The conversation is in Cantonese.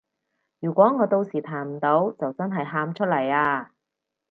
如果我到時彈唔到就真係喊出嚟啊